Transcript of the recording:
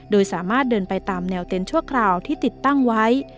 โดยสามารถเดินไปตามแนวเต็นต์ชั่วคราวที่ติดตั้งไว้